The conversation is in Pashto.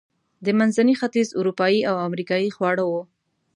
د منځني ختیځ، اروپایي او امریکایي خواړه و.